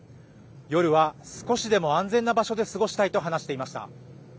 夜は少しでも安全な場所で過ごしたいと話していました。